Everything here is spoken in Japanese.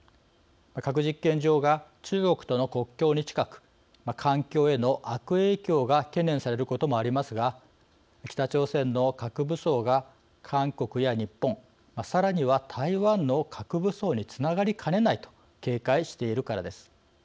核実験場が中国との国境に近く環境への悪影響が懸念されることもありますが北朝鮮の核武装が韓国や日本さらには台湾の核武装につながりかねないと警戒しているからです。